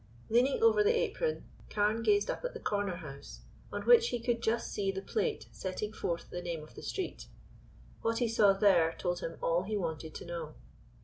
Leaning over the apron, Carne gazed up at the corner house, on which he could just see the plate setting forth the name of the street. What he saw there told him all he wanted to know.